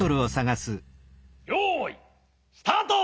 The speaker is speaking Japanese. よいスタート！